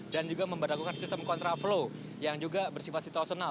dan juga memperlakukan sistem kontra flow yang juga bersifat situasional